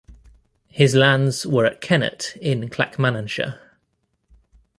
His lands were at Kennet in Clackmannanshire.